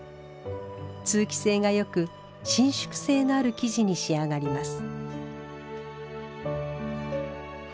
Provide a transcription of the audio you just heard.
通気性がよく伸縮性のある生地に仕上がります。